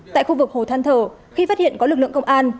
tại khu vực hồ than thở khi phát hiện có lực lượng công an